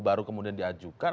baru kemudian diajukan